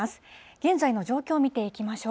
現在の状況を見ていきましょう。